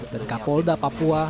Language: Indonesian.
dan kapolda papua